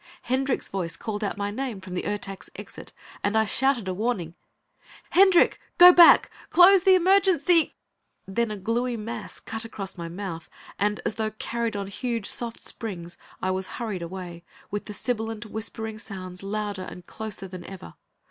Hendrick's voice called out my name from the Ertak's exit, and I shouted a warning: "Hendrick! Go back! Close the emergency " Then a gluey mass cut across my mouth, and, as though carried on huge soft springs, I was hurried away, with the sibilant, whispering sounds louder and closer than ever.